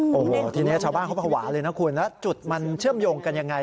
โอ้โหทีนี้ชาวบ้านเขาภาวะเลยนะคุณแล้วจุดมันเชื่อมโยงกันยังไง